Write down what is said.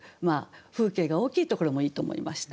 風景が大きいところもいいと思いました。